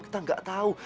kita gak tahu